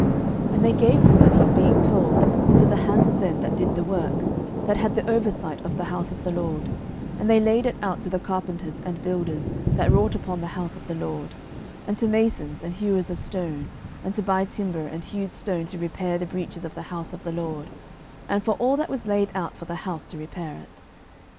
12:012:011 And they gave the money, being told, into the hands of them that did the work, that had the oversight of the house of the LORD: and they laid it out to the carpenters and builders, that wrought upon the house of the LORD, 12:012:012 And to masons, and hewers of stone, and to buy timber and hewed stone to repair the breaches of the house of the LORD, and for all that was laid out for the house to repair it.